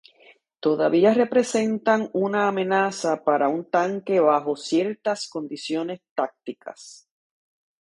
Todavía representan una amenaza para un tanque bajo ciertas condiciones tácticas.